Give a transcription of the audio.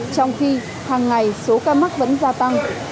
trong khi hàng ngày số ca mắc vẫn gia tăng